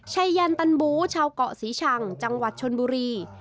ยันตันบูชาวเกาะศรีชังจังหวัดชนบุรี